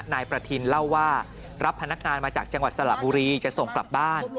นายประทินเล่าว่ารับพนักงานมาจากจังหวัดสระบุรีจะส่งกลับบ้าน